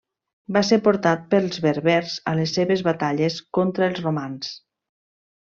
Va ser portat pels berbers a les seves batalles contra els romans.